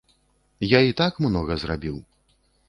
Я і так многа зрабіў.